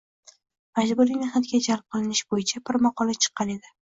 majburiy mehnatga jalb qilinish bo‘yicha bir maqola chiqqan edi.